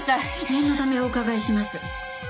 念のためお伺いします。